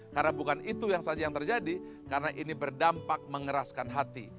karena bukan itu saja yang terjadi karena ini berdampak mengeraskan hati